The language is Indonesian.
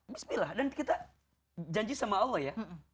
bismillah dan kita janji sama allah ya